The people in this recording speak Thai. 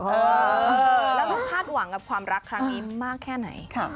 แล้วเราคาดหวังกับความรักครั้งนี้มากแค่ไหน